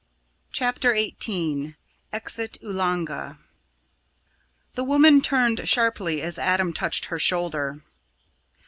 CHAPTER XVIII EXIT OOLANGA The woman turned sharply as Adam touched her shoulder.